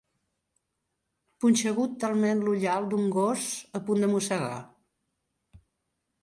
Punxegut talment l'ullal d'un gos a punt de mossegar.